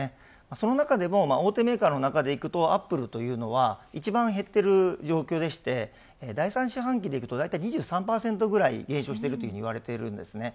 その中でも大手メーカーの中でいくとアップルというのは一番減っている状況でして第３四半期でいくとだいたい２３％ぐらい減少していると言われているんですね。